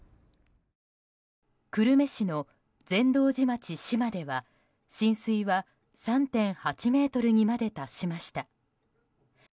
久留米市の善導寺町島では浸水は３．８ｍにまで達しました。